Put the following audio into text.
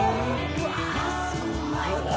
うわすごい。